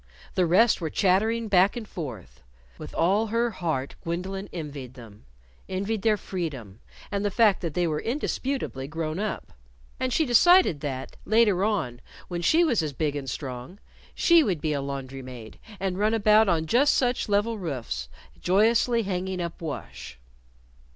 The rest were chattering back and forth. With all her heart Gwendolyn envied them envied their freedom, and the fact that they were indisputably grown up. And she decided that, later on, when she was as big and strong, she would be a laundry maid and run about on just such level roofs, joyously hanging up wash.